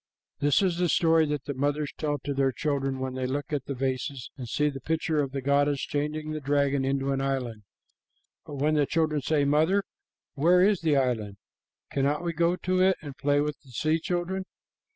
This is the story that the mothers tell to their children when they look at the vases and see the picture of the goddess changing a dragon into an island. But when the children say, "Mother, where is the island? Cannot we go to it and play with the sea children?"